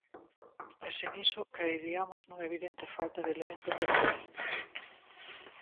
E sen iso, caeriamos nunha evidente falta de elementos de valor.